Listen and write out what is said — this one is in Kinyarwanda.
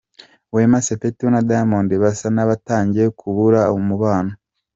Wema Sepetu na Diamond basa n’abatangiye kubura umubano.